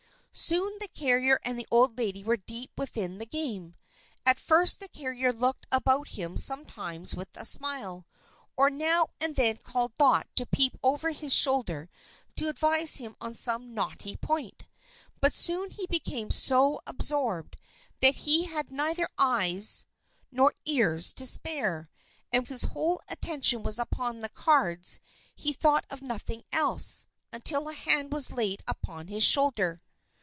Soon the carrier and the old lady were deep within the game. At first the carrier looked about him sometimes with a smile, or now and then called Dot to peep over his shoulder to advise him on some knotty point. But soon he became so absorbed that he had neither eyes nor ears to spare, and his whole attention was upon the cards, and he thought of nothing else, until a hand was laid upon his shoulder.